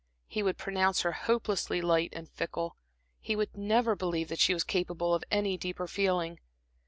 He would pronounce her hopelessly light and fickle, he would never believe that she was capable of any deeper feeling.